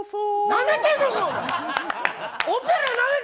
なめてんのか、コラ！